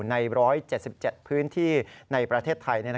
ใน๑๗๗พื้นที่ในประเทศไทย